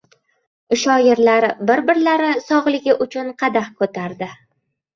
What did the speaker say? Shoirlar bir-birlari sog‘ligi uchun qadah ko‘tardi.